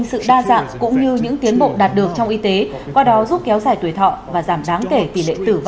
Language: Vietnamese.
xin chào và hẹn gặp lại